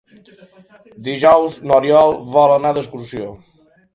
Dijous n'Oriol vol anar d'excursió.